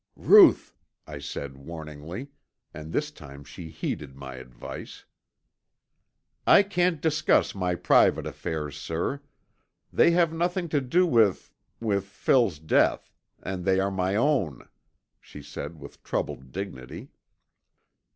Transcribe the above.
"Ruth," I said, warningly, and this time she heeded my advice. "I can't discuss my private affairs, sir. They have nothing to do with with Phil's death, and they are my own," she said with troubled dignity.